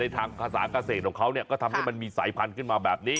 ทางภาษาเกษตรของเขาก็ทำให้มันมีสายพันธุ์ขึ้นมาแบบนี้